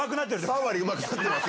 ３割うまくなってます